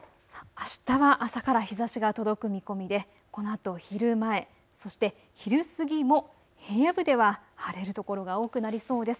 あしたは朝から日ざしが届く見込みでこのあと昼前、そして昼過ぎも平野部では晴れる所が多くなりそうです。